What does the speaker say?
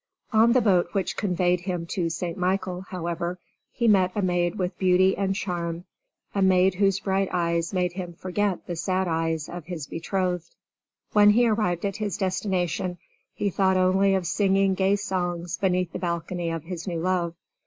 On the boat which conveyed him to St. Michael, however, he met a maid with beauty and charm, a maid whose bright eyes made him forget the sad eyes of his betrothed. When he arrived at his destination he thought only of singing gay songs beneath the balcony of his new love.